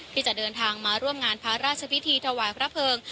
ที่จะเดินทางมาร่วมงานพระราชพิธีถวายพระเพิง